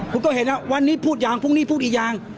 คุณก็เห็นแล้ววันนี้พูดอย่างพรุ่งนี้พูดอีกอย่าง